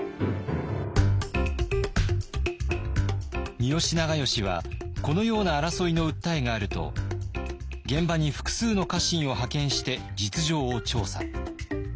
三好長慶はこのような争いの訴えがあると現場に複数の家臣を派遣して実情を調査。